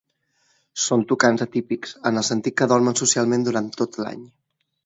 Són tucans atípics, en el sentit que dormen socialment durant tot l'any.